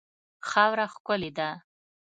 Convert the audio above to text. خاوره ښکلې ده.